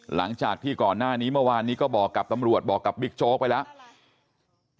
หลังจากที่ก่อนหน้านี้เมื่อวานนี้ก็บอกกับตำรวจบอกกับบิ๊กโจ๊กไปแล้ว